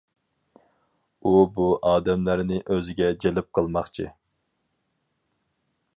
ئۇ بۇ ئادەملەرنى ئۆزىگە جەلپ قىلماقچى.